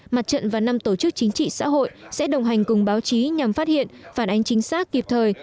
mặt trận và năm tổ chức chính trị xã hội sẽ đồng hành cùng báo chí nhằm phát hiện phản ánh chính xác kịp thời